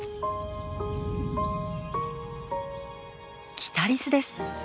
キタリスです。